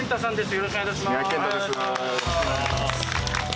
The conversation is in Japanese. よろしくお願いします。